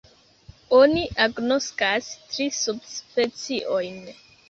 Oni agnoskas tri subspeciojn.